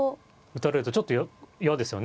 打たれるとちょっと嫌ですよね。